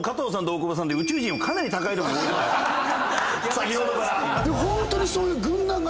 先ほどから。